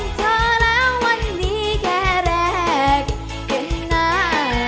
ยอมจะดนเธอแล้ววันนี้แค่แรกเย็นหน้า